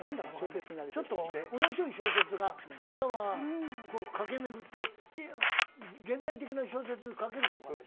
ちょっとおもしろい小説が頭を駆け巡って現代的な小説が書けるかも分からない。